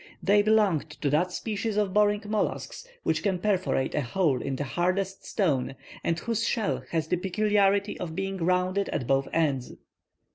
They belonged to that species of boring mollusk which can perforate a hole in the hardest stone, and whose shell has the peculiarity of being rounded at both ends.